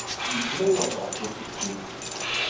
Melslay-aɣ-d ɣef twacult-im!